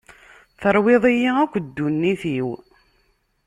Terwiḍ-iyi akk ddunit-iw.